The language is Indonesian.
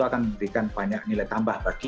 akan memberikan banyak nilai tambah bagi